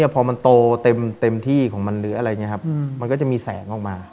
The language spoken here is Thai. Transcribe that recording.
พอมันโตเต็มที่ของมันมันก็จะมีแสงออกมา